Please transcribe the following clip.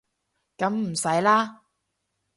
噉唔使啦